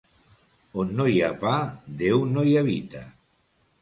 On no hi ha pa, Déu no hi habita.